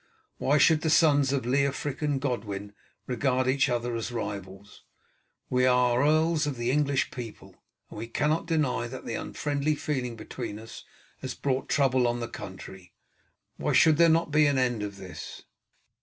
Why should the sons of Leofric and Godwin regard each other as rivals? We are earls of the English people, and we cannot deny that the unfriendly feeling between us has brought trouble on the country. Why should there not be an end of this?"